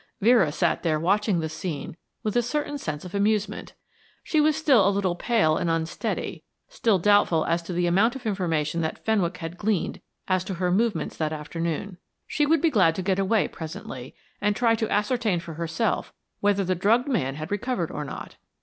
Vera sat there watching the scene with a certain sense of amusement. She was still a little pale and unsteady, still doubtful as to the amount of information that Fenwick had gleaned as to her movements that afternoon. She would be glad to get away presently and try to ascertain for herself whether the drugged man had recovered or not.